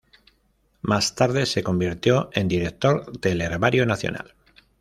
Más tarde se convirtió en director del Herbario Nacional.